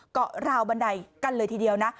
ราวบันไดกันเลยทีเดียวนะ